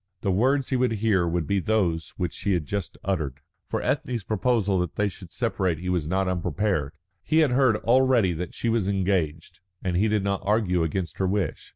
The words he would hear would be those which she had just uttered. For Ethne's proposal that they should separate he was not unprepared. He had heard already that she was engaged, and he did not argue against her wish.